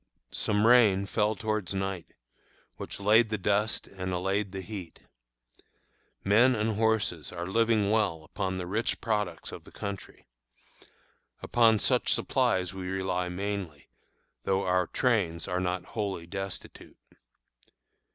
Some rain fell towards night, which laid the dust and allayed the heat. Men and horses are living well upon the rich products of the country. Upon such supplies we rely mainly, though our trains are not wholly destitute.